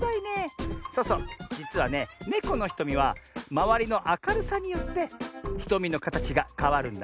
そうそうじつはねネコのひとみはまわりのあかるさによってひとみのかたちがかわるんだね。